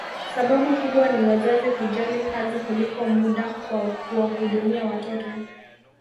Sababu kubwa ni wazazi kujali kazi kuliko muda wa kuwahudumia watoto